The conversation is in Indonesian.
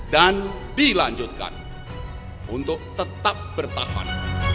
dan dilanjutkan untuk tetap bertahan